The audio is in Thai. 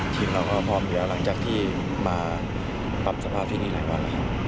ทีมเราก็พร้อมครับหลังปรับสถาปภัยที่นี่หลายวัน